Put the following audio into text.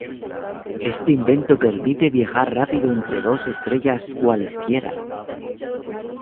Este invento permite viajar rápido entre dos estrellas cualesquiera.